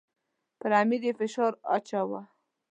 پر امیر یې فشار اچاوه.